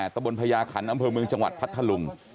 ตะบนพญาขันอำเภอเมืองจังหวัดพัทธลุง